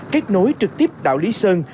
kết nối trực tiếp đảo lý sơn